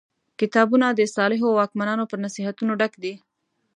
کتابونه د صالحو واکمنانو په نصیحتونو ډک دي.